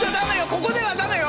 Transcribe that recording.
ここではだめよ。